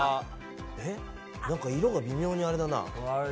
色が微妙にあれだな。